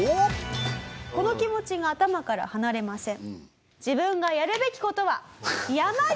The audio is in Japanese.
この気持ちが頭から離れません。